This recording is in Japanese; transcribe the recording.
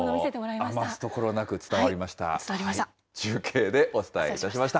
余すところなく伝わりました。